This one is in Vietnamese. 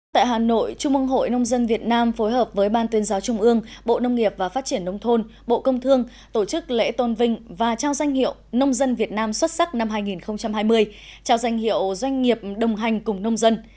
tại hà nội trung ương hội nông dân việt nam phối hợp với ban tuyên giáo trung ương bộ nông nghiệp và phát triển nông thôn bộ công thương tổ chức lễ tôn vinh và trao danh hiệu nông dân việt nam xuất sắc năm hai nghìn hai mươi trao danh hiệu doanh nghiệp đồng hành cùng nông dân